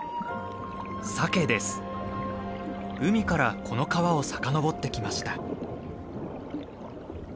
海からこの川を遡ってきました。